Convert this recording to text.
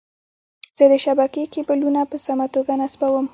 زه د شبکې کیبلونه په سمه توګه نصبووم.